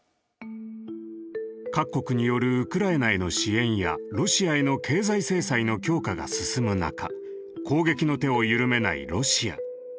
各国によるウクライナへの支援やロシアへの経済制裁の強化が進む中攻撃の手を緩めないロシア。